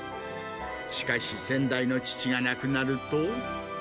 しかし、先代の父が亡くなると。